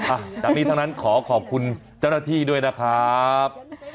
อ่ะจากนี้ทั้งนั้นขอขอบคุณเจ้าหน้าที่ด้วยนะครับ